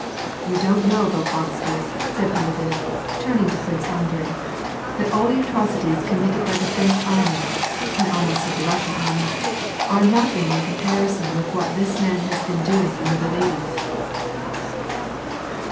"You don't know, Bolkonsky," said Bilibin, turning to Prince Andrei, " that all the atrocities committed by the French army (I almost said the Russian army) are nothing in comparison with what this man has been doing among the ladies